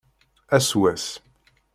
Ass wass.